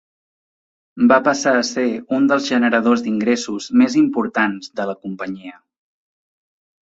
Va passar a ser un dels generadors d"ingressos més importants de la companyia.